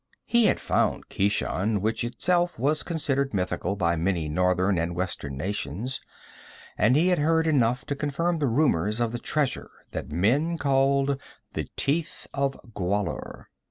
He had found Keshan, which in itself was considered mythical by many northern and western nations, and he had heard enough to confirm the rumors of the treasure that men called the Teeth of Gwahlur.